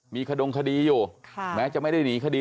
มีขดงคดีอยู่แม้จะไม่ได้หนีคดี